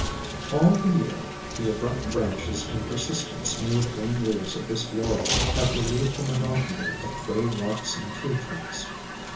All the year the abrupt branches and persistent smooth green leaves of this Laurel have relieved the monotony of gray rocks and tree trunks.